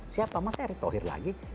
siapa mas erick thohir lagi